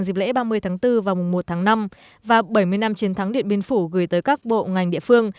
dịp lễ ba mươi tháng bốn và mùa một tháng năm và bảy mươi năm chiến thắng điện biên phủ gửi tới các bộ ngành địa phương